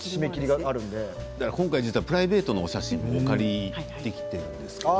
今回プライベートのお写真もお借りできているんですけど。